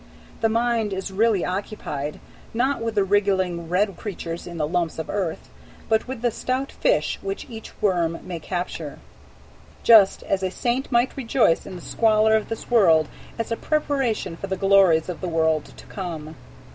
The mind is really occupied, not with the wriggling red creatures in the lumps of earth, but with the stout fish which each worm may capture, just as a saint might rejoice in the squalor of this world as a preparation for the glories of the world to come.